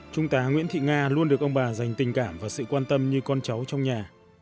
trung tá nguyễn thị nga luôn được ông bà dành tình cảm và sự quan tâm như con cháu trong nhà